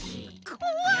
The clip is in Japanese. ここわい。